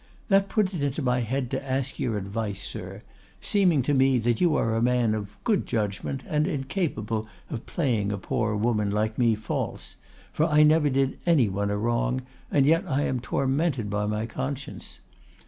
That put it into my head to ask your advice, sir, seeming to me that you are a man of good judgment and incapable of playing a poor woman like me false—for I never did any one a wrong, and yet I am tormented by my conscience.